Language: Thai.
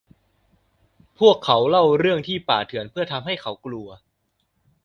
พวกเขาเล่าเรื่องที่ป่าเถื่อนเพื่อทำให้เขากลัว